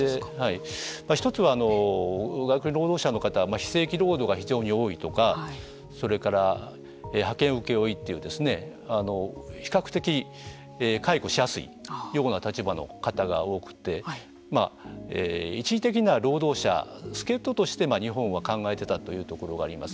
１つは外国人労働者の方非正規労働が非常に多いとかそれから派遣、請負という比較的解雇しやすいような立場の方が多くて一時的な労働者助っ人として日本は考えていたというところがあります。